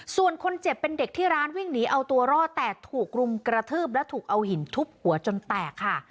ส่วนคนเจ็บเป็นเด็กที่ร้านวิ่งหนีเอาตัวรอดแต่ถูกรุมกระทืบและถูกเอาหินทุบหัวจนแตกค่ะ